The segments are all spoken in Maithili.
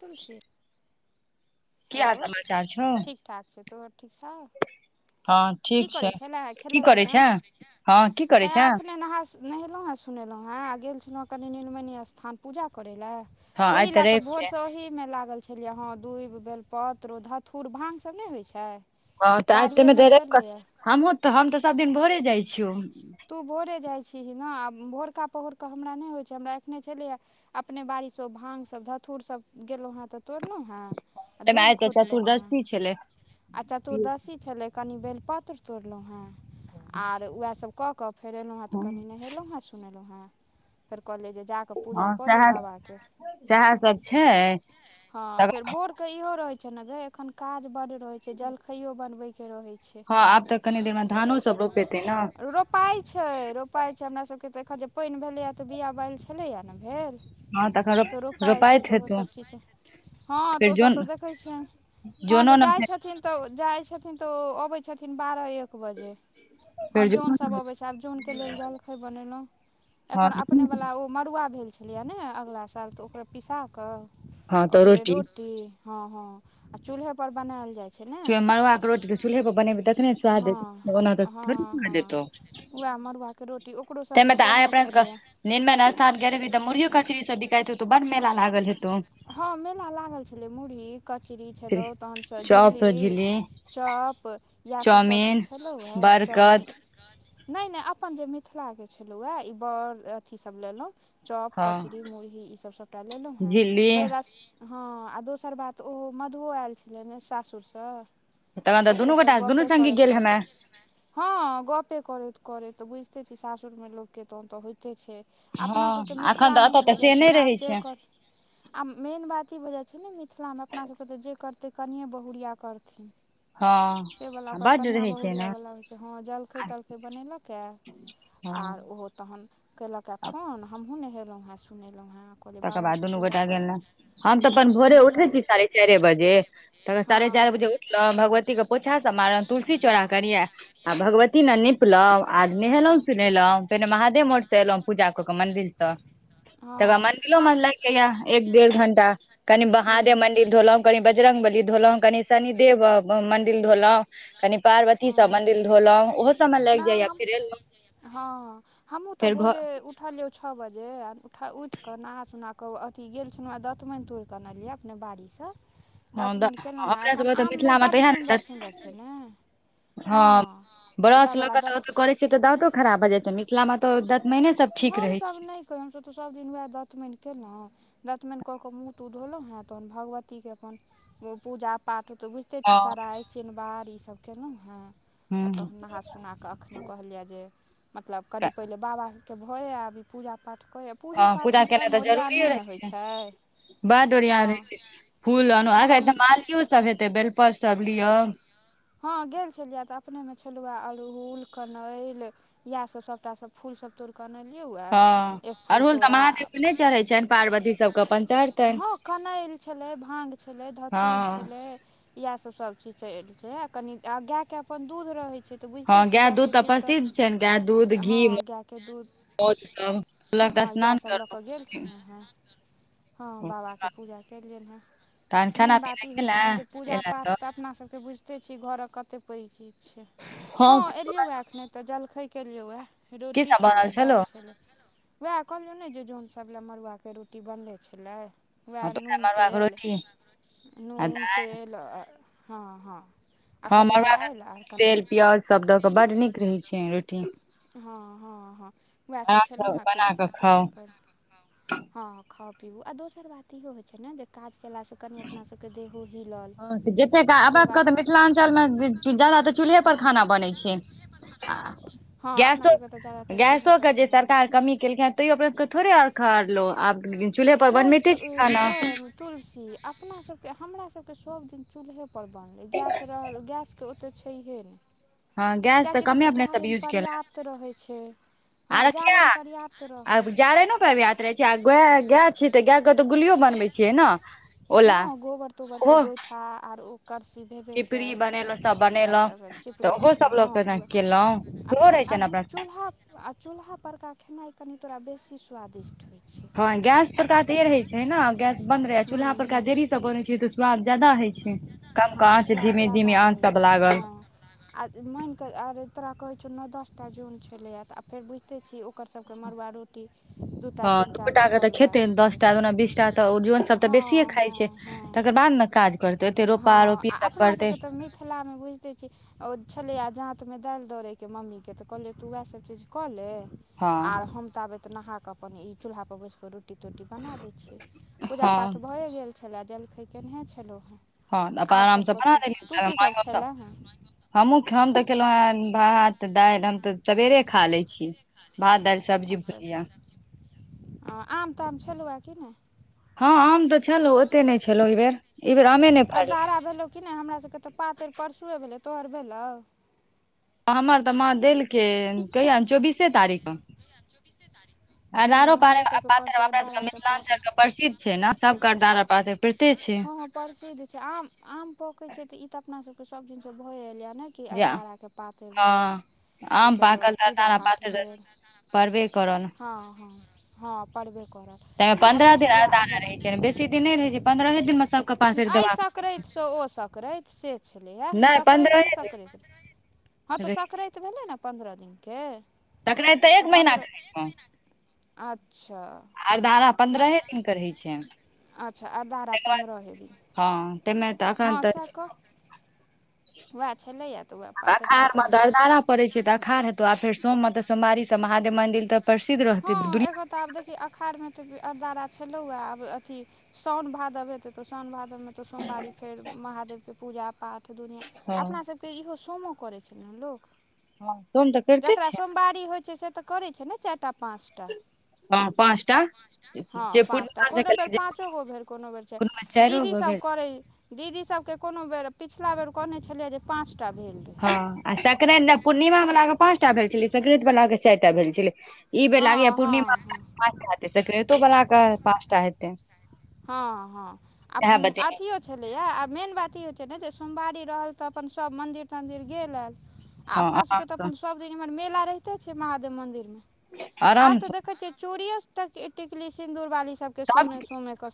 तुलसी की हेलो हाल समाचार छौ ठीक-ठाक छै तोहर ठीक छौ हँ की ठीक छै करैछेले हें की खेलें करै छै पीलें हँ की करै हैये छै अखने नहा सोना नहेलहुँ हें सुनेलहुँ हें आ गेल छलहुँ हें कनि नीलमणी स्थान पूजा करै लए हँ आइ ओहि तऽ लए रवि के भोर छै से ओहि मे लागल छलियै हें दूबि बेलपत्र धथुर भांग सभ नहि होइत छै हँ तऽ आय बाड़िएमे [unintelligible] छलैए हमहुँ हम तऽ सब दिन भोरे जाइ छियौ तू भोरे जाइत छीही ने आ भोरका पहरक हमरा नहि होइत छै, हमरा एखनहि छेलैये अपने बाड़ीसँ ओ भांगसभ धतुरसभ गेलहुँ हैं तऽ तोड़लहुँ हैं आ ताहिमे दूबि आइ तऽ खोटलौं हें चतुर्दशी छलै आ चतुर्दशी छलै, कनि बेलपत्र तोड़लहुँ हें, आर उएहसभ कऽ कऽ फेर एलहुँ हें तऽ हँ कनि नहेलहुँ हें सुनेलौं हें फेर कहलियै जे जाकऽ पुजा कऽ ली सएह बाबा के सएह सब छै हंँ फेर तकर भोर के इहो रहै छै ने गै एखन काज बड्ड रहै छै जलखैयो बनबैके रहै छै। हँ आब तऽ कनी देर मे धानो सब रोपेतै ने रोपाइ छै रोपाइ छै हमरा सबके तऽ एखन जे पानि भेलेया तऽ बिया बाइल छेलैये ने भेल हँ तखन रो तऽ रोपाइ छै रोपाइत तऽ हेतौ ओहोसभ चीज। हँ तऽ फेर ओसभ जोन तऽ देखै छियनि हँ जोनो जे ने जाइत छथिन तओ जाए छथिन‌ तऽ आबै छथिन‌ बारह एक बजे फेर तब जोनो अबै छै आब जन‌ के लेल जलखै बनेलौं हँ अखन अपने बला ओ मड़ुआ भेल छलैय ने अगिला साल तऽ ओकरे पिसा कऽ हँ तऽ ओकरे रोटी हँ हँ आ चूल्हो पर बनाएल जाइ छै ने मड़ुआक रोटी के चूल्हे पर बनेबही तखने स्वाद हँ देतौ ओना तऽ थोड़ही [unintelligible] स्वाद देतौ। आ मरुआ के रोटी ओकरो सब तऽ आइ अपना सब कऽ निर्मल स्थान गेल हेबही तऽ मुुरियो कचरी सब बिकाइत हेतौ बड़ मेला लागल हेतौ हँ मेला लागल छेलै मुरही कचरी छेलै तहनसँ झिल्ली चॉप इएहसभ सभचीज चाउमिन छलहुँ हे चॉमिन बरकत नहि नहि अपन जे मिथिलाके छलहुँ हए ई बड़ अथीसभ लेलहुँ। चॉप हँ कचरी मुरही ईसभ सभटा लेलहुँ हेँ झिल्ली भरि हँ आ दोसर बात ओ मधुओ आयल छलनि सासुरसँ। तखन तऽ दुनू ओकरेसँ गोटा दुनू गप्पे संगी करैत गेल क हेमे हँ गपे करैत करैत तऽ बुझिते छी सासुर मे लोकके तहन तऽ होइते छैय। हँ अपनासभके एखन तऽ मिथिलामे एतऽ ही तऽ भऽ से जाइत छैय नहि ने रहै आब छै जेक आ मेन बात ई भऽ जाइत छैय ने मिथिलामे अपनासभके तऽ जे करतै कनिए बहुरिया करथिन। हँ से बला ओकरा बड्ड कनिया रहै छै बहुरिया ने वला होइ छैय हँ जलखै तलखै बनेलक ह। हँ आर ओहो तहन कयलक हँ फोन हमहूँ नहेलहुँ हँ सुनेलहुँ हँ कहलियै तकर बाद बाबाके दुनू पूजा गोटा करू हम तऽ अपन भोरे दुनू उठय आदमी छी साढ़े चार बजे त हँ साढ़े चार बजे भगवती के पोछा से मारल तुलसी चोरा करिये आ भगवती ने निपलब आ नहेलों हँ सुनेलहुं पेहने महादेव मोठ से एलों पूजा क के मंदिर से तकर बाद मं रो हँ हम म ल या एक डेढ़ घंटा कनि बहादे मंदिर धोलो कनि बजरंग बली धोलो कनि शनिदेव मंदिर धोलों कनि पार्वती सब मंदि धोलव ओहो सबमे न लागि जाइये हम फेर एलहुँ हँ हमहु तऽ फेर भोरे घर उठलियौ छओ बजेर उठा उठिकऽ नहा सोनाकऽ अथी गेल छलहुँ आ दतमानि तोड़िकऽ अनलिै अपने बाड़ीसँ हँ दतमनि केलहुँ हँ हमरा एखन सबके तऽ आममे मिथिला मे तऽ बड्ड इएह ने सुन्दर सुन्दर छैय ने हँ। बरस उएहवला लऽ दत त करै छैय तऽ दाँतो खराब हो जाइ छैय मिथिला मे तऽ दाँतमने हमसभ नहि कह हमसभ तऽ सभदिन उएह दतमनि केलहुँ दतमनि कऽ कऽ मुँह तँह धोलहुँ हेँ तहन भगवतीके अपन पूजा पाठ ओते बुझ ते छै छी हँ सराइ चिनबार ईसभ केलहुँ हेँ आ हूँ तहन नहा सुोना कऽ अखन नहि कहलियै जे मतलब कनि पहिले बाबा के भऽ अभी पूजा पाठ करै पूजो हँ पूजा पाठमे केनाइ कम तऽ ओरियान जरूरिये नहि रहै ने होइ छै छैय। बड ओरियान रह छैय फूल आनू आ कनि मालियो सब हेतै बेलपत सब लिय हँ गेल छलियै तऽ अपनेमे छलव अड़हुल कनैल इएहसभ सभटा सभ फूल सब तोड़िके अनलियै वए एक फूल तोड़ा [unintelligible] छैन। पार्वती सबके अपन चर हँ कनैल छलै भाङ्ग छलै धथुर हँ छलै इएह सब सब चीज चढ़इलकै या कनी गाय के अपन दूध रहय छैय। तऽ हँ बुझिते छीही गाय गायके दूध तऽ प्रसिद्ध छनि गाय दूध घी हँ गाायके दूध मौध सब कहलक तऽ हँ यैह स्नान सभ लऽ कऽ गेल करलहुँ छलहु हेँ। हँ बाबाके पूजा कयल गेल हेँ। तहन खाना मेन बात पीना ई होइ खेला छैय ने जे पूजा पाठ तऽ अपना सभके बुझ ते छी घरक कते पैघ चीज छैय हँ एलियौ एखने तऽ जलखै केलियौ या की रोटी सब बनल छलै छलौ दालि छलै वैह कहलियौ ने जे जनसभ लए मड़ुआके रोटी बनलै छलै वैह हँ तऽ उहे नून मड़ुआ के तेल रोटी आ नून तेल हँ हँ आ हँ कनि मरुआ के दालि आर कनि तेल प्याज सभ दऽ कऽ बड नीक रहैत छैय रोटी। हँ हँ हँ वैह सभ आरामसँ खेलहुँ हेँ बना पीलहुँ कऽ हेँ तऽ खाउ फेर हँ खाउ पिबू आ दोसर बात इहो होइत छैय ने जे काज केलासँ कनि अपना सभके देहो हिलल ह जते से हमरा सबके बात तऽ मिथिलाञ्चलमे जा जादा तऽ चूल्हे पर खाना बनै छैय। हँ अपना गैसो सभके तऽ ज्यादातर चूल्हेपर गैसोके जे खेनाइ होइ सरकार छै कमी केलकिन ह [unintelligible] आब चू्हे पर गै बनबैते चू छी खाना। गै तुलसी अपना सबके हमरा सभके सब दिन चूल्हे पर बनलै गैस रहल गैसके ओतेक छैहे नहि हँ गैस तऽ कियाक कमे देखिहि अपने सब जाड़न यूज केलक पर्याप्त रहै छै हँ आरो किया जाड़नि पर्याप्त रहल किया गाय छी तऽ गाय के तऽ गुलियो बनबै छियै ने ओला ओ आ आओर ओकरसी भेबे कयल बनेलहुँ सब तऽ सएह बनेलहुँ सब तऽ चिपरी ओहो तिपरी सब हँ लोक त केलहुँ सेहो रहै छै अच्छा ने अपना चूल्हा आ चूल्हा परका खेनाइ कनि तोरा बेसी स्वादिष्ट होइ छै हँ गैस परक तऽ रहैत छै ने गैस बन्द रहै आ चूल्हा हूँ पर हूँ देरीसँ बनैत छैऽ स्वाद ज्यदा हय छै कम क हँ आँच स्वाद धीमे जादा धीमे आँच होइ सभ छै लागल हँ आ मान के आर तोरा कहैत छौ नओ दस टा जोन छलैए आ फेर बुझिते छी कतह क मड़ुआ रोटी दूटा हँ तीनटा दूटा क के सभ तऽ लए खेते दस कऽ टा ओना बीस टा तऽ जन खेतय सब तऽ बेसिय खाइ छै तकर बाद ने काज करतै ओते रोपा हँ रोपी आ सभ करतै अपनासभके तऽ मिथिलामे बुझिते छी ओ छलै आ जाँतमे दालि दौड़यके मम्मीकेँ तऽ कहलियै तू उएहसभ चीज कऽ ले हँ आ हम तऽ आबे तऽ नहाके अपन ई चूल्हा पर बसि क रोटी तोटी बना दैत छिय पूजा हँ पाठ भए गेल छलाह जलखैय केनहे छलहुँ हेँ हँ अपन आर आराम सभ सँ बना कथु तू कीसभ लेलि खेलए हेँ हमूँ हम तऽ खेलहुँ हेँ भात दालि हम तऽ सबेरे खा लै छी भात दालि सब्जी भुजिया ओ आम ताम छलू कि नहि हँ आम तऽ छलैह ओते नहि छलैह एहि बेर ई बेर आमे नहि फड़लै अरदारा भेलौ कि नहि हमरा सभके तऽ पातरि परसुए भेलै तोहर भेलौ हमर तऽ माँ देलकै कहिय चौबीसे तारीखके अरदारो नहि हमरो पातर सबके परसू अपना सब के अरदाराके पात मिथिलांचल के अछि प्रसिद्ध छै ने सब के अरदार पातर परिते छै हँ प्रसिद्ध छै आम आम पकै छै ते ई ते अपना सभके सभ दिन स भए ऐलय ये ने की जे अरदराके पातरि भेल हँ की आम कैलहु पाकल तऽ अरदारा पूजा-पाठ पातरि भेल। पड़बे करल हँ हँ हँ पड़बे करत तेँ पन्द्रह दिन आरदारा रहै छै ने बेसी दिन नहि रहै छै पन्द्रहे दिन सबके पातरि एहि देबाक रहै छै सकराति से ओ सकराति से छलैए नहि सकराते पन्द्रहे दिन सकराति हँ तऽ रहै छै संकराति भेलै ने पन्द्रह दिनके सकराति एक तऽ महीना पंद्रह के रहै अच्छा आरदारा पन्द्रहे नहि दिन के रहै छै अच्छा आरदारा तकर बाद पन्द्रहेँ हँ ताहिमे तऽ एखन हँ तऽ से कह वैह छलैए तऽ वैह पातरि अखाड़ मे तातरि तऽ भेलय अरदारा पड़ै छै तऽ अखाढ़ हेतैऽ आ फेर सोम तऽ सोमवारीसँ महादेब मन्दिर तऽ प्रसिद्ध रहतै हँ एखन तऽ आब देखी अखाढ़ मे त अरदारा छलौ आब अथी साउन भादव आयतो तो साउन भादव त सोमवारी फेर महादेव के पूजा पाठ दुनिया हँ अपना सभके त इहो सोम करै छै ने लोक हँ सोम तऽ करिते जकरा छै सोमवारी होइ छै से तऽ करै छै ने चारि टा पाँच टा हँ पाँचटा हँ जे पाँच टा पूर्णिमा से कोनो बेर केलकै जे पाँचो गो भेल कोनो बेर चारि चाइरो गो दीदीसभ भेल करैत दीदी सभके कोनो बेर पिछला बेर कहने छलियै जे पाँचटा भेल रहै हँ आ सक्रांत पूर्णिमा वालाक के पाँच टा भेल छलै सक्रांत वाला के चारि टा भेल छलै ई बेर हँ लागैत अछि हँ पूर्णिमा हँ पाँचटा होयतै सक्रांतो वला के पाच टा होयतै हँ हँ आ अथियो छलैया आ मेन बात ई होइत छै ने जे सोमवारी रहल तऽ अपन सभ मन्दिर तन्दिर गेल आयल आ हँ अपना सभके तऽ आरामसँ अपन सभ दिन इम्हर मेला रहिते छै महादेव मन्दिरमे आब तऽ आरामसँ देखै छियै चोड़ीयो टिकली सिन्दूर बाली सबके सोमे सब सोमे कऽ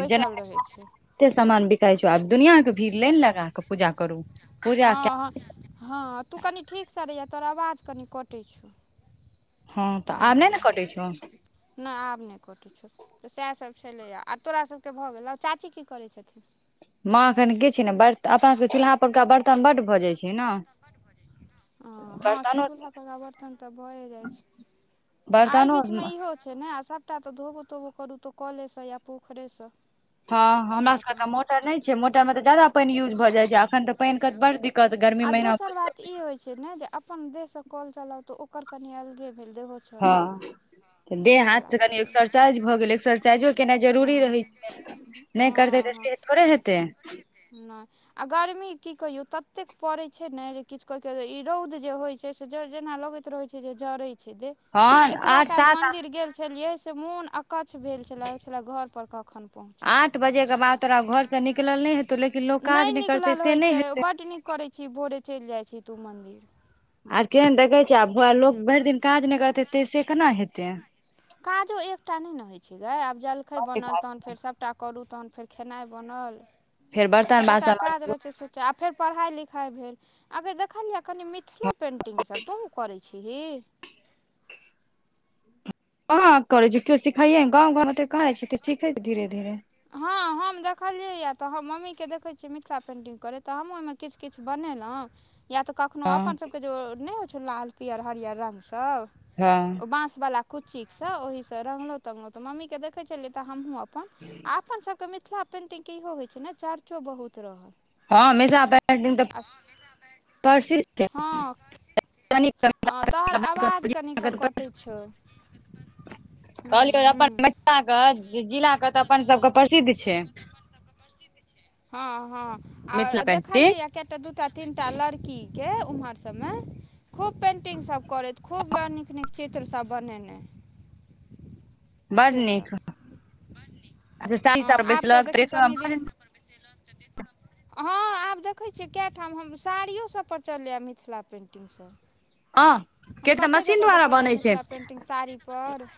बैसल रहै छै कते सामान बिकाइ छौ आब दुनिया के भीड़ लानि लगाके पूजा करु हँ हँ हँ तू कनि ठीकसँ रहै तोहर आवाज कनि कटै छौ हँ तऽ ओ आब नहि ने कटै छौ नहि आब नहि कटी छौ तऽ सएह सब छलैए आ तोरा सभके भऽ गेलौ आ चाची की करै छथिन माँ एखन की छै ने ब अपना सबके चूल्हा परुरका बर्तन बड्ड भऽ जाइत छै ने हँ हँ से बर्तनो चूल्हा पर बर्तन तऽ भए जाइ छै एहि बर्तनो बीच मे इहो छैन आ सभटा तऽ धोबो तोबो करू तऽ कलेसँ या पोखरिेसँ हँ हमरा सब के तऽ मोटर नहि छै मोटर मे तऽ जादा पानि यूज भए जाय छै अखन तऽ पानि के बड़ दिक आब दोसर बात ई होइत छै ने जे अपन देशसँ कल चलाउ तऽ ओकर कनि अलगे भेल देबहो हँ तऽ देह हाथ से कनि भऽ जाइ छै एक्सरसाज भऽ गेल एकसस साइजो केनाइ जरूरी रहै हँ छै नहि करतै तऽ हँ हँ से थोड़े हेतै नहि आ गर्मी की कहियौ ततेक पड़ैत छै ने जे किछु कहि क ई रौद जे होइत छै से जेना लगैत रोहे छै जरे छै गै हँ एतबा आठ काल सात मंन्दिर गेल छलियै से मोन अकच्छ भेल छलै छलै घर पर कखन पहुँचब आठ बजे के बाद तोरा घर से निकलल नहि हेत नहि निकलल होइत छै बड नीक करैत छी भोरे चलि जाइत छी तो मन्दिर आ केहन देखै छ आबो लोक भरि दिन काज नहि करते ते से केना हेतै काजो एकटा नहि ने होइ छलै आब जलखै बड्ड बनल काज तहन छै, फेर सब सभटा करू तहन फेर खेनाइ बनल फेर बर्तन जकरा बासन काज रहै छै तऽ आ फेर पढ़ाई लिखाई भेल अगर देखलियै कनि मिथिलो पेन्टिंगसभ तोहूँ करैत छिही कहाँ करै छै केओ सिखाइए ने गाँव गाँमे तऽ कहै छै सखै छै धीरे धीरे हँ हम देखलियै हए तऽ हम मम्मीकेँ देखैत छियै मिथिला पेन्टिंग करैत तऽ हमूँ ओहिमे किछ किछ बनेलहुँ या तऽ कखनो हँ अपनसभके जे नहि होइ छै लाल पियर हरियर रंग सब हँ बाँसवला कुच्चीेसँ ओहिसँ रङ्गहुँ तङ्गलहुँऽ मम्मीके देखै छलियै तऽ हमहहुँ अपन ह [inaudible] अपन सभके मिथिला पेंन्टिंगके इहो होइ छै ने चर्चो बहुत रहल हँ निशाऽ दाय आ [inaudible] हँ हँ तोहर आवाज कनिकिकँ कटै छौ कहलियौ हु अपन मिथिला के जिला के तऽ अपन सबके प्रसिद्ध छै हँ हँ आर मिथिला पेंटिंग देखलियै कएटा दूटा तीन टा लड़की के उम्हर सबमे खूब पेन्टिंगसभ करैत खूब बड़ नीक नीक चित्रसभ बनेनाइ [unintelligible] से बड सब नीक साड़ी हँ सब आब तऽ देखिय कनि दिन ह [inaudible] हँ आब देखैत छियै कए ठाम हम साड़ियोसभ पर चलैए मिथिला पेन्टिंग हँ के हम तऽ कतेक मशीन जगह द्वारा देखलियै बनै छै मिथिला पेन्टिंग साड़ी पर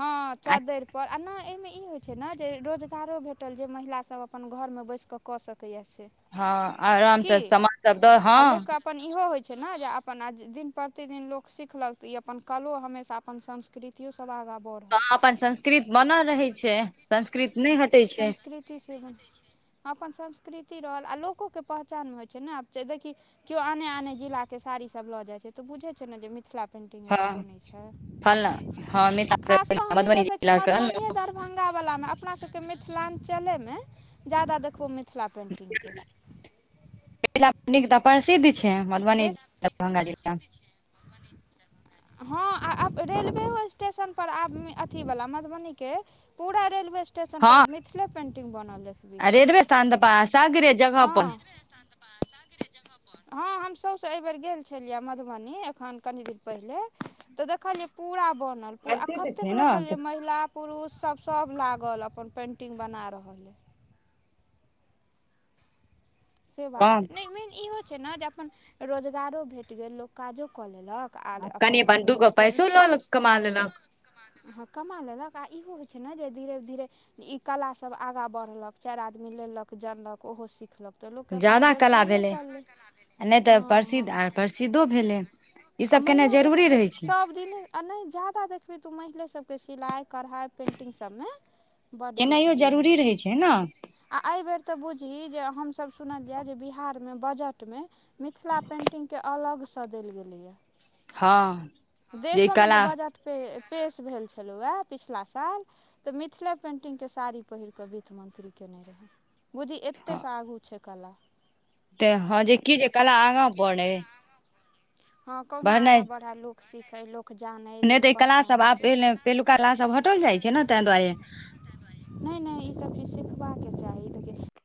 हँ आ चद्दरि पर आ ने एमे ई होय छै ने जे रोजगारो भेटल जे महिला सब अपन घरमे बैस कऽ सकैए से हँ आराम की से समामान सब द आ हँ लोकके अपन इहो होइ छै ने जे अपन आ दिन प्रतिदिन लोक सिखलक तऽ ई अपन कलो हमेशा अपन संस्कृति तियो सब आगा बर ह अपन संस्कृत बनल रहैत छै संस्कृत नहि हटैत छै थ्रथी सेवन अपन संस्कृति रहल आ लोकोकेँ पहचानमे होइत छै ने देखी कियो आने आने जिलाके साड़ीसभ लऽ जाइत छै तऽ बुझैत छै ने जे मिथिला हँ फलना हँ मिथिला मधुबनी जिला के मिथिला [unintelligible] दर्भगावलामे अपना सबके मिथिलाञ्चलेमे ज्यादा देखबू मिथिला पेन्टिग के तऽ प्रसिद्ध छै मधुबनी दरभंगा जिला बने हँ आब रेलवेओ स्टेशन पर आब अथीवला मधुबनीके पूरा रेलवे स्टेशन पर मिथिले पेंटिंग बनले रेेलवे स्थान दपा सागरे जगहप हँ हँ हम सब एहि बेर गेल छलियै मधुबनी एखन कनि दिन पहले त देखलिए पुरा बनल पुरा आ प्रसिद्ध कतेक छै ने देखलिए तऽ महिला पुरुष सभ सभ लागल अपन पेन्टिंग बना रहल अइ से बात छै हँ नहि मेन इहो छै ने जे अपन रोजगारो भेट गेल लोक काजो कऽ लेलक आ अपन कनि दूगो मतलब पैसो लऽ कमा लेलक हँ कमा लेलक आ इहो होइत छै ने जे धीरे धीरे जे ई कलासभ आगाँ बढ़लक चारि आदमी लेलक जनलक ओहो सिखलक तऽ लोक अपन ज्यादा कला व्यवसायो भेलै चललैह सीधो भेलै ई सब केनाइ जरूरी रहै छै दिल आ नहि जादा देखबही तऽ ओ महिले सबके सिलाइ कढ़ाइ पेन्टिंग सभमे बड्ड केनाइयो देखबीही जरूरी रहै छै ने आ एहिबेर तऽ बुझही जे हमसब सुनल जाए जे बिहारमे बजटमे मिथिला पेंटिंग के अलगसँ देल गेलैए हँ देशोमे जे बजट पेश भेल छलहुँ हए पिछिला साल तऽ मिथिला पेन्टिंग के साड़ी पहिर कऽ वित्त मंत्री कयने रहय बुझी एतेक आगू छै कला ते हँ जे कि जे कला आगाँ बढ़ैय हँ कहूंना आगा बढ़ा लोक सिखै लोक जानै नहि लोक तऽ ई क्लास सब पहचानै आब से पहि पहिलुका क्लास सब हटल जाइत छै ने ताहि दुआरे नहि नहि ईसभ चीज सिखबाक चाही देखौ